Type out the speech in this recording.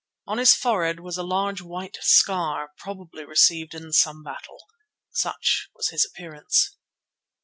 On his forehead was a large white scar, probably received in some battle. Such was his appearance.